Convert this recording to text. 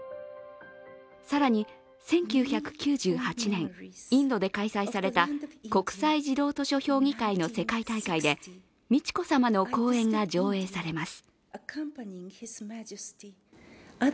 更に１９９８年、インドで開催された国際児童図書評議会の世界大会で美智子さまの講演が上映されます。